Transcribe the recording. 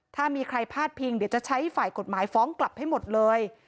ถ้ามีใครพาดพิงเดี๋ยวจะใช้ฝ่ายกฎหมายฟ้องกลับให้หมดเลย